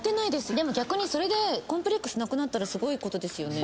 でもそれでコンプレックスなくなったらすごいことですね。